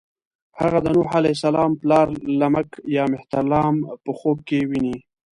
هغه د نوح علیه السلام پلار لمک یا مهترلام په خوب کې ويني.